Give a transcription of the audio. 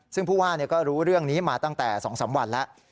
ซึ่งผู้ว่าก็รู้เรื่องนี้มาตั้งแต่๒๓วันแล้ว